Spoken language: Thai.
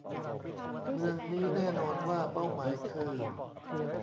เมืองนี้แน่นอนว่าเป้าหมายคือ